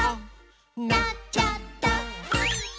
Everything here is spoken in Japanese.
「なっちゃった！」